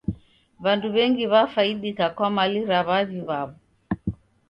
W'andu w'engi w'afaidika kwa mali ra w'avi w'aw'o.